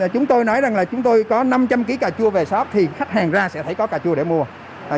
chúng tôi nói rằng là chúng tôi có năm trăm linh kg cà chua về shop thì khách hàng ra sẽ phải có cà chua để mua